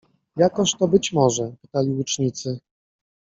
Jakoż to być może? — pytali łucznicy.